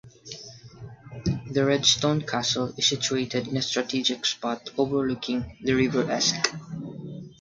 The red stone castle is situated in a strategic spot overlooking the River Esk.